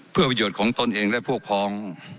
เพื่อประโยชน์ของตนเองและพวกพ้อง